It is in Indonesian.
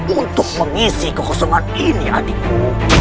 untuk mengisi kekosongan ini adikmu